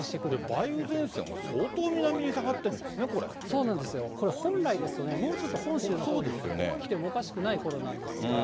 梅雨前線は相当南に下がってるんですね、そうなんですよ、これ、本来ですとね、もうちょっと本州のほうに来てもおかしくないころなんですが。